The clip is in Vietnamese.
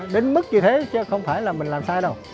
đến mức như thế chứ không phải là mình làm sai đâu